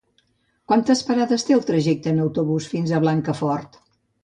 Quantes parades té el trajecte en autobús fins a Blancafort?